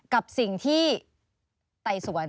กับสิ่งที่ไต่สวน